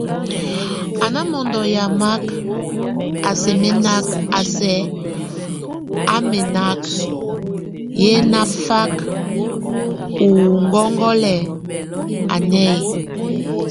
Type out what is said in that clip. A na mondo yamak, a si mɛnak, a si á mɛnak, yé nafak ó ŋgɔŋgɔlɛk, a néye.